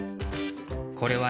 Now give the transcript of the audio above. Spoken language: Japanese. これはね